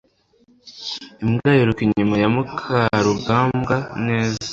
imbwa yiruka inyuma ya mukarugambwa neza